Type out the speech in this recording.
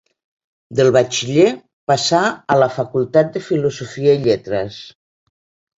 Del batxiller passà a la Facultat de Filosofia i Lletres.